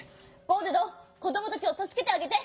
ゴールドこどもたちをたすけてあげて！